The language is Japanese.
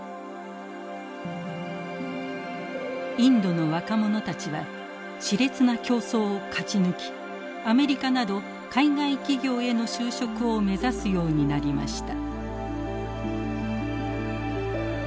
インドの若者たちはしれつな競争を勝ち抜きアメリカなど海外企業への就職を目指すようになりました。